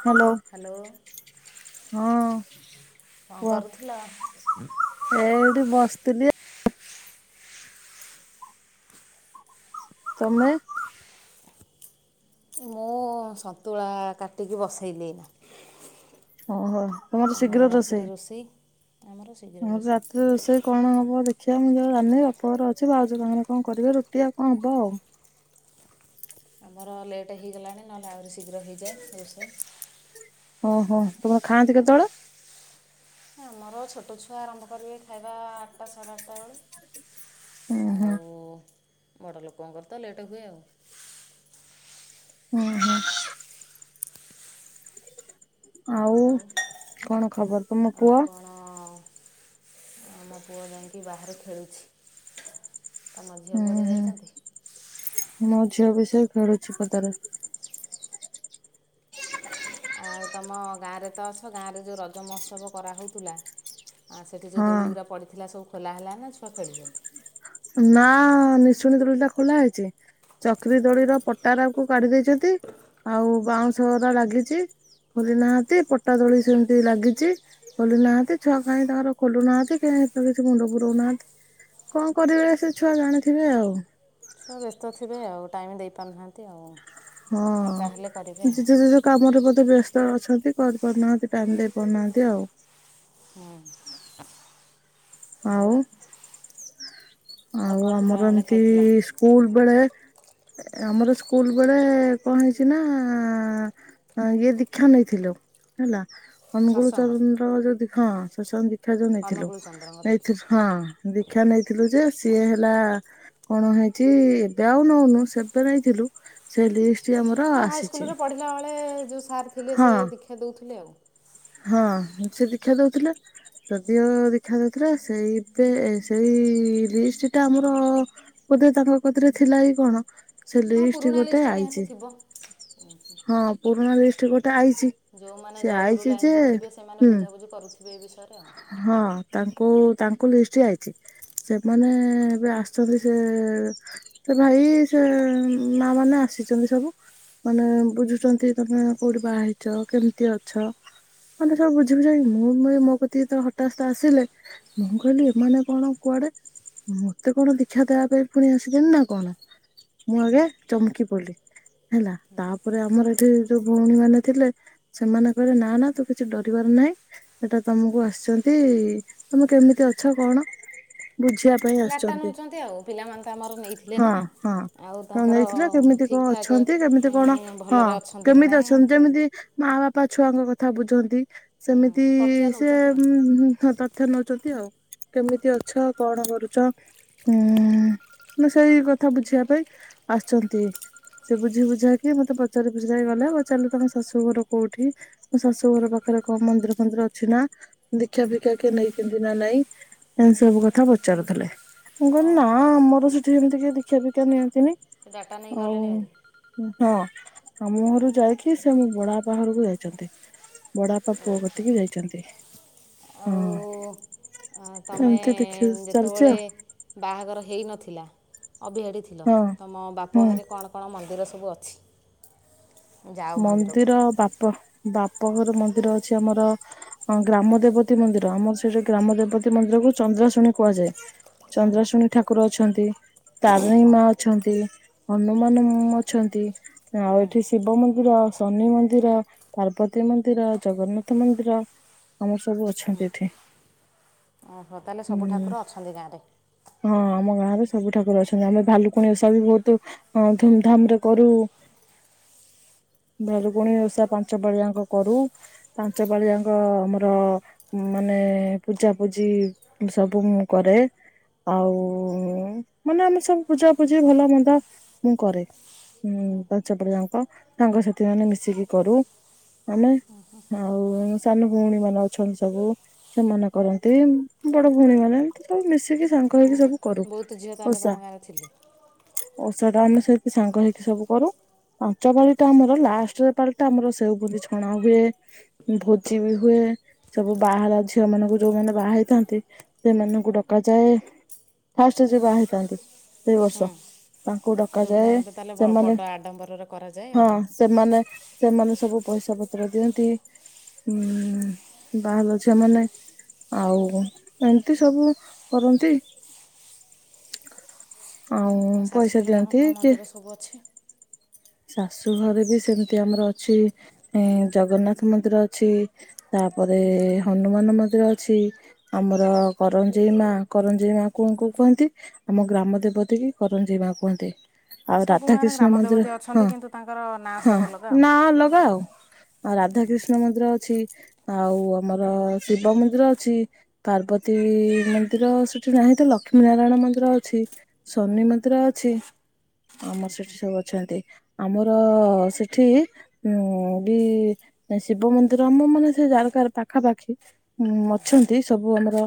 Hello ହଁ ଠିକ। କଣ କରୁଥିଲ? କୁହ ଏ ଏଇଠି ବସିଥିଲି। ତମେ? ମୁଁ ସନ୍ତୁଳା କାଟିକି ବସେଇଲି ଏନା ଓହୋ। ତମର ରାତିରେ ରୋଷେଇ ଆମର ଶୀଘ୍ର ରୋଷେଇ। ଖିଆ ମୁଁ ଯଉ ଜାଣିନେଇ ବାପଘରେ ଅଛି। ଭାଉଜ ତାଙ୍କ କଣ କରିବେ ରୁଟି ଆଉ କଣ ହବ ଆଉ। ଆମର ଲେଟ୍ ହେଇଗଲାଣି ନହେଲେ ଆହୁରି ଶୀଘ୍ର ହେଇଯାଏ ରୋଷେଇ ଓହୋ ତମର ଖାଆନ୍ତି କେତେବେଳେ? ଆମର ଛୋଟ ଛୁଆ ଆରମ୍ଭ କରିବେ ଖାଇବା ଆଠଟା ସାଢ଼େ ଆଠଟା ହୁଁ ବେଳେ ହୁଁ ଆଉ। ବଡ଼ ଲୋକଙ୍କର ତ ଲେଟ୍ ହୁଏ ଆଉ। ଓ ହୋ। ଆଉ କଣ ଖବର ତମ ପୁଅ? ଆମ ପୁଅ ଯାଇକି ବାହାରେ ଖେଳୁଛି। ତମ ଝିଅ ହୁଁ କୁଆଡ଼େ ହୁଁ ଯାଇଛନ୍ତି? ମ ଝିଅ ବି ସେଇ ଖେଳୁଛି ପଦାରେ ଆଉ ତମ ଗାଁରେ ତ ଅଛ ଗାଁରେ ଯେଉଁ ରଜ ମହୋତ୍ସବ କରା ହେଉଥିଲା ସେଇଠି ଯେଉଁ ହଁ ଦୋଳିଗଡ଼ା ପଡ଼ିଥିଲା ସବୁ ଖୋଲା ହେଲା ନା ଛୁଆ ଖେଳୁଛନ୍ତି? ନା ନିଶୁଣି ଦୋଳି ଟା ଖୋଲା ହେଇଛି। ଚକ୍ରୀ ଦୋଳିର ପଟାଟାକୁ କାଢି ଦେଇେଇଛନ୍ତି। ଆଉ ବାଉଁଶ ରା ଲାଗିଛି ଖୋଲି ନାହାନ୍ତି ପଟା ଦୋଳି ସେମିତି ଲାଗିଛି ଖୋଲି ନାହାନ୍ତି ଛୁଆ କାାଇ ତାଙ୍କର ଖୋଲୁ ନାହାନ୍ତି ଏ କିଛି ମୁଣ୍ଡ ପୁରଉନାହାନ୍ତି କଣ କରିବେଳେ ସେ ଛୁଆ ଜାଣିଥିବେ ଆଉ। ଛୁଆ ବ୍ୟସ୍ତ ଥିବେ ଆଉ ଟାଇମ୍ ଦେଇପାରୁନାହାନ୍ତି ଆଉ। ଫାଙ୍କା ହେଲେ କରିବେ ହଁ ଆଉ ଯେଝା ଯେଝା କାମରେ ବେ ବ୍ୟସ୍ତ ର ଅଛନ୍ତି କରିପାରୁନାହାନ୍ତି ଟାଇମ ଦେଇ ପାରୁନାହାନ୍ତି ଆଉ। ହୁଁ। ଆଉ, ଆଉ କ'ଣ ଆମର ଖରାବେଳେ ଏମିତି ଖାଇଥିଲ ସ୍କୁଲ୍ ବେଳେ ଆମର ସ୍କୁଲ୍ ବେଳେ କଣ ହେଇଛି ନା ଇଏ ଦୀକ୍ଷା ନେଇଥିଲୁ ହେଲା, ଅନୁଗୁଳ ସତ୍ସଙ୍ଗ ଚରଣର ଯଦି ହଁ ସୁଶାନ୍ତି। ଦୀକ୍ଷା ଯୋଉ ନେଇଥିଲୁ ଅନୁକୂଳ ଚନ୍ଦ୍ରଙ୍କ ଦୀକ୍ଷା ନେଇଥିଲୁ ହଁ ଦୀକ୍ଷା ନେଇଥିଲୁ ଯେ ସିଏ ହେଲା କଣ ହେଇଛି ଏବେ ଆଉ ନଉନୁ ସେବେ ନେଇଥିଲୁ ସେ ଲିଷ୍ଟ୍ ମୁଁ ହାଇସ୍କୁଲରେ ପଢିଲା ବେଳେ ଯୋଉ ସାର୍ ଥିଲେ ହଁ ସେ ଦୀକ୍ଷା ଦେଉଥିଲେ ଆଉ। ହ [unintelligible] ହଁ ସେ ଦୀକ୍ଷା ଦେଉଥିଲେ, ଯଦିଓ ଦୀକ୍ଷା ଦେଉଥିଲେ ସେଇ ଏବେ ସେଇ ଲିଷ୍ଟଟା ଆମର ବୋଧେ ତାଙ୍କ କତିରେ ଥିଲା କି କଣ ସେ ହଁ ଲିଷ୍ଟ୍ ପୁରୁଣା ଗୋଟେ ଲିଷ୍ଟ ନିହାତି ଆଇଛି। ଥିବ ହଁ ପୁରୁଣା ଲିଷ୍ଟ୍ ଗୋଟେ ଆଇଛି। ଯୋଉମାନେ ସେ ଜୟଗୁରୁ ଆଇଛି ଯେ ଲାଇନରେ ଥିିବେ ସେମାନେ ହୁଁ ବୁଝାବୁଝି କରୁଥିବେ ଏ ବିଷୟରେ। ଆଉ ହଁ। ତାଙ୍କୁ ତାଙ୍କୁ ଲିଷ୍ଟ ଆଇଛି ସେମାନେ ଏବେ ଆସିଛନ୍ତି ସେ ସେ ଭାଇ ସେ ମାଆମାନେ ଆସିଛନ୍ତି ସବୁ ମାନେ ବୁଝୁଛନ୍ତି ତମେ କୋଉଠି ବାହା ହେଇଛ କେମିତି ଅଛ ମାନେ ସବୁ ବୁଝିିବୁଝାକି ମୁଁ ମୋ ମୁଁ କ ଏ ଯେତେବେଳ‌ ହଟାସ୍ତ୍ ଆସିଲେ ମୁଁ କହିଲି ଏମାନେ କଣ କୁଆଡେ ମତେ କଣ ଦୀକ୍ଷା ଦେବା ପାଇଁ ପୁଣି ଆସିଗଲେ ନା କଣ ମୁଁ ଆଗେ ଚମକି ପଡ଼ଲି ହେଲା ତାପରେ ଆମର ଏଠି ଯୋଉ ଭଉଣୀମାନେ ଥିଲେ ସେମାନେ କହିଲେ ନା-ନା ତୁ କିଛି ଡରିବାର ନାହିଁ ସେଟା ତମକୁ ଆସିଛନ୍ତି ତମେ କେମିତି ଅଛ କଣ ବୁଝିବା ପାଇଁ ଡାଟା ଆସିଛନ୍ତି, ନେଉଛନ୍ତି ଆଉ ପିଲାମାନେ ତ ଆମର ନେଇଥିଲେ ନା ହଁ-ହଁ ଆଉ ତମେ ତାଙ୍କର ନେଇଥିଲ କେମିତି ଠିକ୍ କଣ ଠାକ୍ ଅଛନ୍ତି କେମିତି କଣ ହଁ ଭଲରେ ଅଛନ୍ତି କି କେମିତି ନାହିଁ ଅଛନ୍ତି ସେ ଯେମିତି ମାଆବାପା ଛୁଆଙ୍କ କଥା କଥା ବୁଝନ୍ତି। ସେମିତି ହୁଁ ତଥ୍ୟ ନଉଛନ୍ତି। [inaudible] ତଥ୍ୟ ‌ନେଉଛନ୍ତି। [inaudible] ଆଉ, କେମିତି ଅଛ କଣ କରୁଛ ଉଁ-ଉଁ-ଉଁ ମୁଁ ସେଇ କଥା ବୁଝିବା ପାଇଁ ଆସିଛନ୍ତି ସେ ବୁଝିବୁଝାକି ମତେ ପଚାରିପୁଚାରିକି ଗଲେ ପଚାରିଲେ ତମ ଶାଶୁ ଘର କୋଉଠି ମୋ ଶାଶୁ ଘର ପାଖରେ କଣ ମନ୍ଦିରଫନ୍ଦିର ଅଛି ନା। ଦୀକ୍ଷା ଫିକ୍ଷ୍ୟା କିଏ ନେଇଛନ୍ତି ନା ନାଇଁ, ଏ ସବୁ କଥା ପଚାରୁଥିଲେ, ମୁଁ କହିଲି ନା ଓହୋ ଆମର ସେଠି ଏମିତି କିଏ ଦୀକ୍ଷା ଫିକ୍ଷ୍ୟା ନିଅନ୍ତିନି। ସେ ଡାଟା ନେଇ ଆଉ ଗଲେଣି ଭାରି ହଁ। ଆମ ଘରୁ ଯାଇକି ସେ ମୋ ବଡ ବାପା ଘରକୁ ଯାଇଛନ୍ତି। ବଡପା ପୁଅ ଓହୋ କତିକି ଯାଇଛନ୍ତି। ହଁ ଆଉ ତମେ ଏମିତି ଦେଖି ଚାଲିଛି ଯେତେବେଳେ ଆଉ ବାହାଘର ହେଇ ନଥିଲା। ଅଭିହାଡି ଥିଲ, ହଁ ତମ ବାପ ହୁଁ ଘରେ କଣ କଣ ମନ୍ଦିର ସ ବୁ ଅଛି। ଯାଅ ମନ୍ଦିରକୁ ମନ୍ଦିର ବାପ ବା ପ ଘର ମନ୍ଦିର ଅଛି ଆମର। ଗ୍ରାମ ଦେବତୀ ମନ୍ଦିର ଆମର ସେଇଠି ଗ୍ରାମ ଦେବତୀ ମନ୍ଦିରକୁ ଚନ୍ଦ୍ରା ଶୁଣୀ କୁହାଯାଏ। ହୁଁ ଚନ୍ଦ୍ରଶୁଣୀ ଠାକୁର ଅଛନ୍ତି। ତାରିଣୀ ହଁ ମା ଅଛନ୍ତି। ହନୁମାନ ଅଛନ୍ତି। ହଁ ଆଉ ହୁଁ ଏଠି ଶିବ ମନ୍ଦି ଶନି ମନ୍ଦିର ପାର୍ବତ ତୀ ମନ୍ଦିର ଜଗନ୍ନାଥ ମନ୍ଦିର। ଆମର ସବୁ ଅଛନ୍ତି ଏଠି। ଓହୋ ତାହେଲେ ସବୁ ହୁଁ ଠାକୁର ଅଛନ୍ତି ଗାଁରେ ହଁ ଆମ ଗାଁରେ। ସବୁ ଠାକୁର ଅଛନ୍ତି ଆମେ ଭାଲୁକୁଣି ଓଷା ବି ବହୁତ ଧୁମଧାମ ରେ କରୁ। ଭାଲୁକୁଣୀ ଓଷା ପାଞ୍ଚ ପାଳିଆଙ୍କ କରୁ ପାଞ୍ଚ ପାଳିଆଙ୍କ ଆମର ମାନେ ପୂଜା ପୂଜି ସବୁ ମୁଁ କରେ, ଆଉ ମାନେ ଆମେ ସବୁ ପୂଜା ପୂଜି ଭଲ ମନ୍ଦ ମୁଁ କରେ ଉଁ ପାଞ୍ଚ ପାଳିଆଙ୍କ। ସାଙ୍ଗସାଥି ମାନେ ମିଶିକି କରୁ ମାନେ ଆଉ ସାନ ଭଉଣୀ ମାନେ ଅଛନ୍ତି ସବୁ ସେମାନେ କରନ୍ତି। ବଡ ଭଉଣୀମାନୋନ ଏମିତି ସବୁ ମିଶିକି ସାଙ୍ଗ ହେଇକି ସବୁ କରୁ ବହୁତ ଝିଅ ତାହେଲେ ଓଷା ତମ ଗାଁରେ ଥିଲେ। ଓଷା ଟା ଆମେ ସେଇଠି ସାଙ୍ଗ ହେଇକି ସବୁ କରୁ ପାଞ୍ଚ ବାରି। ଟା ଆମର ଲାଷ୍ଟରେ ତାହେଲେ ତ ଆମର ସେଉ ବୁନ୍ଦି ଛଣା ହୁଏ, ଭୋଜି ବି ହୁଏ, ସବୁ ବାହାର ଝିଅ ମାନଙ୍କୁ ଯୋଉମାନେ ବାହା ହେଇଥାନ୍ତି ସେମାନଙ୍କୁ ଡକାଯାଏ, ଫାଷ୍ଟରେ ଯିଏ ବାହା ହେଇଥାନ୍ତି ସେଇ ବର୍ଷ ତାଙ୍କୁ ଡ ଧାମରେ ତାହେଲେ ବଡ ଆଡମ୍ବରରେ କରାଯା ହଁ ସେମାନେ ସେମାନେ ସବୁ ପଇସା ପତ୍ର ଦିଅନ୍ତି ଉମ ବାହାର ଝିଅ ମାନେ ଆଉ ଏମିତି ସବୁ କରନ୍ତି। ଆଉ ତୁମ ପଇସା ଶାଶୁଘର କଣ ଦିଅନ୍ତି କଣ କି ମନ୍ଦିର ସବୁ ଅଛି? ଶାଶୁ ଘରେ ବି ସେମିତି ଆମର ଅଛି ଏ ଜଗନ୍ନାଥ ମନ୍ଦିର ଅଛି, ତାପରେ ହନୁମାନ ମନ୍ଦିର ଅଛି, ଆମର କରଞ୍ଜେଇ ମା କରଞ୍ଜେଇ ମା ଙ୍କୁ କୁହନ୍ତି, ଆମ ଗ୍ରାମ ଦେବତୀ କରଞ୍ଜେଇ ମା କୁହନ୍ତି। ଆଉ ସବୁ ଗାଁରେ ରାଧାକ୍ରିଷ୍ଣ ଗ୍ରାମ ମନ୍ଦିର ଦେବତୀ ହଁ ଅଛନ୍ତି କିନ୍ତୁ ତାଙ୍କର ନାଁ ହଁ ସବୁ ଅଲଗା ଆଉ ନା ଲଗା ଆଉ। ରାଧା କୃିଷ୍ଣ ମନ୍ଦିର ଅଛି। ଆଉ ଆମର ଶିବ ମନ୍ଦିର ଅଛି, ପାର୍ବତୀ ମନ୍ଦିର ସେଠି ନାହିଁ ତ ଲକ୍ଷ୍ମୀ ନାରାୟଣ ମନ୍ଦିର ଅଛି, ଶନି ମନ୍ଦିର ଅଛି ଆମର ସେଠି ସବୁ ଅଛନ୍ତି। ଆମର ସେଠି ଉ ବି ଶିବ ମନ୍ଦିର ଆମ ମାନେ ସେ ଯାରକାର ପାଖାପାଖି ଉ ଅଛନ୍ତି ସବୁ ଆମର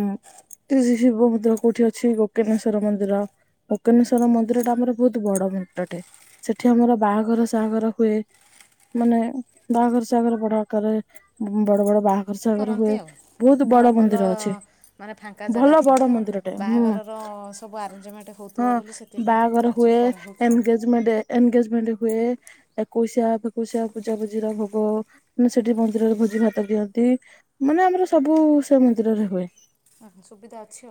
ଉ ଶିବ ମନ୍ଦିର କୋଉଠି ଅଛି ଗୋକନେଶ୍ଵର ମନ୍ଦିର ଗୋକନେଶ୍ଵର ମନ୍ଦିର ଟା ଆମର ବହୁତ ବଡ ମନ୍ଦରଟେ। ସେଠି ଆମର ବାହାଘର ସାହଗର ହୁଏ। ମାନେ ବାହାଘର ସାଗର ବଡା କରେ ବଡ ବଡ ବାହାଘ କରନ୍ତି ଆଉ ଭ ଭଲ ଅଛି ମାନେ ଫାଙ୍କା ଜାଗା ଭଲ ବଡ ଥିବ, ମନ୍ଦିରଟେ ହୁଁ ବାହାଘରର ସବୁ ଆରେଞ୍ଜମେଣ୍ଟ ହଁ ହେଉଥିବ ବୋଲି ସେଥିପାଇଁ ବାହାଘର ସେଠି କରାହେଉଛି ଆଉ। ଏଙ୍ଗେଜମେଣ୍ଟ ହୁଏ। ଏକୋଇଶିଆ ଫକୁୋଇସିଆ ପୂଜା ପୂଜିର ଭୋଗ ମାନେ ସେଠି ମନ୍ଦିରରେ ଭୋଜି ଭାତ ଦିଅନ୍ତି। ମାନେ ଆମର ସବୁ ସେ ମନ୍ଦିରରେ ହୁଏ। ହ ସୁବିଧା ଅଛି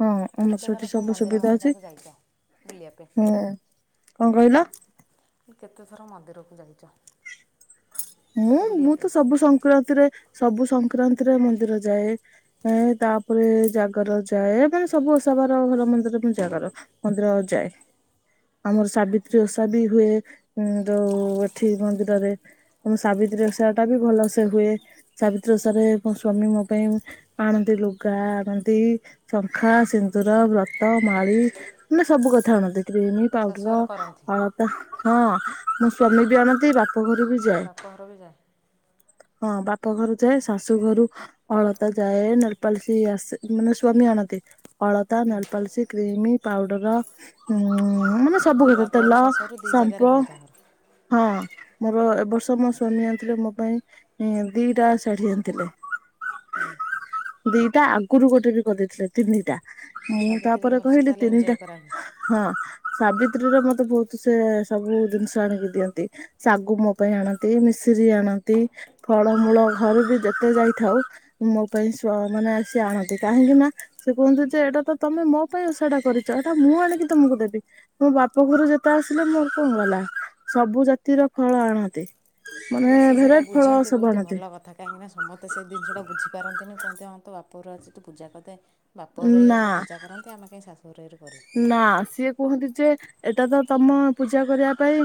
ହଁ ଆମର ସେଠି କେତେଥର ସବୁ ମନ୍ଦିର ସୁବିଧା ଅଛି ମାନକାକୁ ଯାଇଛ ବୁଲିବା ହୁଁ ପାଇଁ? କଣ କହିଲ? କେତେଥର ମନ୍ଦିରକୁ ଯାଇଛ? ମୁଁ ବୁଲିବା ମୁଁ ପାଇଁ ତ ସବୁ ସଂକ୍ରାନ୍ତିରେ ସବୁ ସଂକ୍ରାନ୍ତିରେ ମନ୍ଦିର ଯାଏ, ଏ ତାପରେ ଜାଗର ଯାଏ, ମାନେ ସବୁ ଓଷା ବାର ଘର ମନ୍ଦିର ଜାଗର ମନ୍ଦିର ଯାଏ। ଆମର ସାବିତ୍ରୀ ଓଷା ବି ହୁଏ ଯୋଉ ଏଠି ମନ୍ଦିରରେ। ମ ସାବିତ୍ରୀ ଓଷା ଟା ବି ଭଲ ସେେ ହୁଏ ସାବିତ୍ରୀ ଓଷାରେ ମୋ ସ୍ଵାମୀ ମୋ ପାଇଁ ଆଣନ୍ତି ଲୁଗା ଆଣନ୍ତି, ଶଙ୍ଖା, ସିନ୍ଦୁର, ବ୍ରତ, ମାଳି ମାନେ ସବୁ କଥା ଆଣନ୍ତି। କ୍ରିମ, ପାଉଡର, ଶାଶୁଘରେ କରନ୍ତି ହଳତା। ହଁ ମୋ ସ୍ଵାମୀ ବି ଆଣନ୍ତି ବାପ ଘରୁ ବି ଯାଏ ବା ପର ବି ଯାଏ ହଁ ବାପା ଘରୁ ଯାଏ ଶାଶୁ ଘରୁ ଅଳତା ଯାଏ ନେଲପାଲ ଆସ ମାନେ ସ୍ଵାମୀ ଆଣନ୍ତି ଅଳତା ନେଲପଲସିକ କ୍ରିମି ପାଉଡର ଉ ହଁ ମାନେ ସବୁ ତାହେଲେ କତ ବାପଘରୁ ତେଲ ଶାଶୁଘରୁ ଦୁଇ ଜାଗାରେ ସାମ୍ପ ହୁଏ ତୁମର ହଁ ମୋର ଏବ ବର୍ଷ ତ ମୋ ଶନୀ ଆଣିଥିଲେ ମୋ ପାଇଁ ଦିଟା ଶାଢୀ ଆଣିଥିଲେ ଦିଟା ଆଗରୁ ଗୋଟେ ବି କରିଦେଇଥିଲେ ତିନିଟା ମୁଁ ମୁଁ ସାବିତ୍ରୀ ତାପରେ ଭଲସେ କହିଲି ତାହେଲେ ତିନିଟା ଏନ୍ଜୟ କରାହୁଏ ହଁ ସାବିତ୍ରୀରେ ମତେ ବହୁତ ସେ ସବୁ ଜିନିଷ ଆଣିକି ଦିଅନ୍ତି ଶାଗୁ ମୋ ପାଇଁ ଆଣନ୍ତି ମିଶ୍ରୀି ଆଣନ୍ତି ଫଳମୂଳ ଘରୁ ବି ଯେତେ ଯାଇଥାଉ ମୋ ପାଇଁ ମାନେ ସ ଆଣନ୍ତି କାହିଁକି ନା ସେ କୁହନ୍ତି ଯେ ଏଇଟା ତ ତମେ ମୋ ପାଇଁ ଓଷାଟା କରିଛ ଏଟା ମୁଁ ଆଣିକି ତମକୁ ଦେବି ମୋ ବାପ ଘରୁ ଯେତେ ଆସିଲେ ମୋର କଣ ଗଲା ସବୁ ଜାତିର ଫଳ ଆଣନ୍ତି। ମାନେ ତାହେଲେ ସେ ସେଟା ଭେରାଇଟି ଫଳ ବୁଝନ୍ତି ସବୁ ବହୁତ ଆଣନ୍ତି ଭଲ କଥା କାହିଁକିନା ସମସ୍ତେ ସେ ଜିନିଷଟା ବୁଝିପାରନ୍ତିନି। କହନ୍ତିେ ହଁ ତ ବାପର ଅଛି ତୁ ପୂଜା କରିଦେ। ବାପ ଘ ଇଏ ନା ତ ପୂଜା କରନ୍ତି ଆମ କାହିଁ ଶାୁଶୁ। ନା ସିଏ କୁହନ୍ତି ଯେ, ଏଇଟା ତ ତମ ପୂଜା କରିବା ପାଇଁ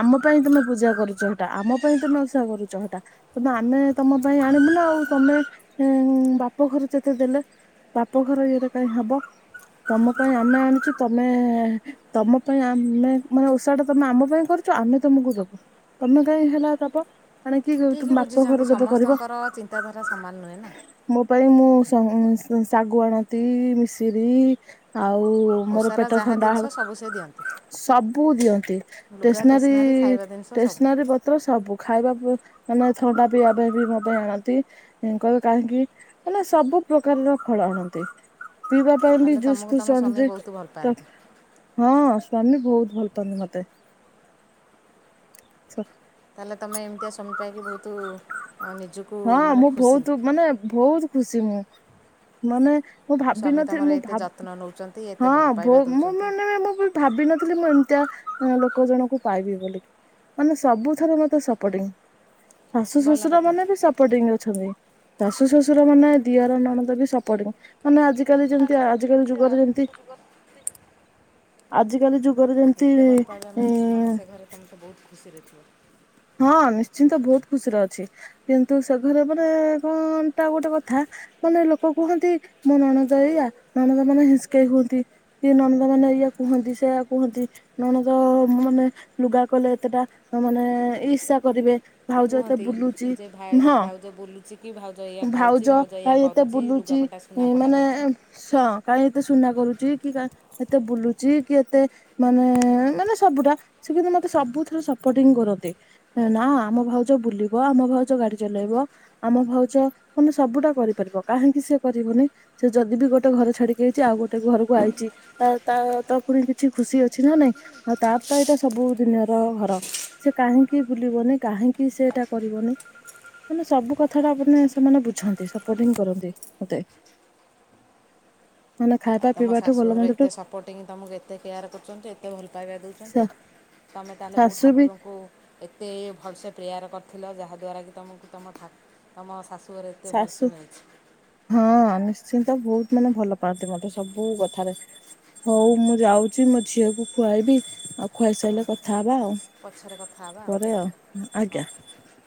ଆମ ପାଇଁ ତମେ ପୂଜା କରୁଛ ଏଟା ଆମ ପାଇଁ ତମେ ଅସା କରୁଛ ଏଟା କିନ୍ତୁ ଆମେ ତମ ପାଇଁ ଆଣିବୁ ନା ଆଉ ତମେ ବାପଘର ଯେତେ ଦେଲେ ବାପଘର ଇଏଟା କହିଁ ହବ ତମ ପାଇଁ, ତମେ ଆଣୁଛୁ ତମେ ତମ ପାଇଁ ଆମେ ମାନେ ଓଷା ଟା ତମେ ଆମ ପାଇଁ କରୁଛ ଆମେ ତମକୁ ଦବୁ ତମେ କାଇହିଁ ହେଲା ଦବ। ଆଣିକି ତମ ଠିକ ବାପ ଘର ବୁଝିଛନ୍ତି କେବେ କରିବ ସମସ୍ତଙ୍କର ଚିନ୍ତାଧାରା ସମାନ ନୁହେଁ ନା। ମୋ ପାଇଁ ମୁଁ ଶାଗୁ ଆଣତି ମିଶରି, ଆଉ ମୋର ଓସାର ପେଟ ଯାହା ଥଣ୍ଡା ଜିନିଷ ହବ ସବୁ ସେ ଦିଅନ୍ତି ସବୁ ଦିଅନ୍ତି ଲୁଗା ଷ୍ଟେସନାରୀ ଖାଇବା ଜିନିଷ ସବୁ ଷ୍ଟେସନାରୀ ପତ୍ର ସବୁ ଖାଇବା, ମାନେ ଥଣ୍ଡା ପିଇବା ପାଇଁ ବି ମୋ ପାଇଁ ଆଣନ୍ତି କାହିଁକି ମାନେ ସବୁ ପ୍ରକାରର ଫଳ ଆଣନ୍ତି। ପିଇବାବ ପାଇଁ ବି ତାହେଲେ ଯୁସ୍। ତୁମକୁ ତୁମ ସ୍ୱାମୀ ସବଜେକ୍ଟ ବହୁତ ଭଲ ତ ପାଆନ୍ତି ହଁ ସ୍ୱାମୀ ବହୁତ ଭଲ ପାଆନ୍ତି ମତେ ତାହେଲେ ତମେ ଏମିତିଆ ସ୍ୱାଇଁ ପାଇକି ବହୁତ ନିଜକୁ ହଁ ମାନେ ମୁଁ ଖୁସି ବହୁତ ମାନେ ବହୁତ ଖୁସି ମୁଁ ମାନେ ମୁଁ ସ୍ୱାମୀ ଭାବିନଥିଲି ତୁମର ମୁଁ ଏତେ ଭାବ ଯତ୍ନ ନେଉଛନ୍ତି ଏତେ ଭଲ ହଁ ପାଇବା ବ୍ ମୁଁ ଦେଉଛନ୍ତି ମାନେ ମୁଁ ବି ଭାବିିନଥିଲି ମୁଁ ଏମ୍ ଲୋକ ଜଣଙ୍କୁ ପାଇବି ବୋଲିକି ମାନେ ସବୁ ଥରେ ମତେ ସପୋଟିଂ ଶାଶୁ ଭଲ ଶ୍ୱଶୁର କଥା ମାନେ ବି ଶାଶୁ ଶଶୁର ମାନେ ଦିଅର ନଣନ୍ଦ ବି ସପୋଟିଂ ମାନେ ଆଜି କାଲି ଯେମତି ଆଜି କାଲି ଯୁଗରେ ଯେମତି ଆଜି କାଲି ଯୁଗ୍ ଏତେ ଭଲ ପାବା ମେ ଯେ ସେମାନେ ସେ ଘରେ ତମ ତ ବହୁତ ଖୁସିରେ ଥିବ ହଁ ନିଶ୍ଚିନ୍ତ ବହୁତ ଖୁସିରେ ଅଛି କିନ୍ତୁ ସେ ଘରେ ମାନେ କଣ ଟା ଗୋଟେ କଥା ମାନେ ଲୋକ କୁହନ୍ତି ମୋ ନଣଦ ଏଇଆ ନନଦ ମାନେ ହିଂସକେଇ ହୁଅନ୍ତି କି ନନଦ ମାନେ ଏଇଆା କୁହନ୍ତି ସେୟା କୁହନ୍ତି ନଣଦ ମାନେ ଲୁଗା କଲେ ଏତେଟା ମାନେ ଇସା କରିବେ ଭାଉଜ ଏତେ କୁହନ୍ତି ବୁଲୁଚି ଯେ ହଁ ଭାଉଜ ବୁଲୁଛି କି ଭାଉଜ ଏହାଇଆ ଖାଉଛି ଭାଉଜ ଏହାୟଆ କାହିଁ ଏତେ କରୁଛି ବୁଲୁଚି ଲୁଗାପଟା ସୁନାପଟା ମାନେ କରୁଛି ସ କାହିଁ ଏତେ ସୁନା କରୁ ନା ଆମ ଭାଉଜ ବୁଲିବ ଆମ ଭାଉଜ ଗାଡି ଚଲେଇବ ଆମ ଭାଉଜ ମାନେ ସବୁଟା ନା ଆମ ଭାଉଜ ବୁଲିବ ଆମ ଭାଉଜ ଗାଡି ଚଲେଇବା ଆମ ଭାଉଜ ସବୁଟା କରିପାରିବ କାହିଁକି ସେ କରିବନି ସେ ଯଦି ବି ଗୋଟେ ଘର ଛାଡିକି ଯଇଛି ଆଉ ଗୋଟେ ଘରକୁ ଆଇଛି ତା ତ ପୁଣି କିଛି ଖୁସି ଅଛି ନା ନାଇଁ ତା ତ ଏଇଟା ସବୁ ଦିନିର ଘର ସେ କାହିଁକି ବୁଲିବନି ମାନେ ଆଉ ଖାଇବା ତମ ପିଇବାଠୁ ଭଲ ଶାଶୁଘରେ ମନ୍ଦଠୁ ଏତେ। ଶାଶୁ ବି ଏତେ ଭଲସେ ସାଶୁ ମିଳିଛି ହଁ ସେନ୍ତେ ତ ବହୁତ ମାନେ ଭଲ ପାଆନ୍ତି ମତେ ସବୁ କଥାରେ ହଉ ମୁଁ ଯାଉଛି ମୋ ଝିଅକୁ ଖୁଆଇବି ଆଉ ଖୁଆଇ ସାରିଲେ କଥା ହେବି। ପଛରେ କଥା ହେବା ଆଜ୍ଞା। ଆଉ ହଉ।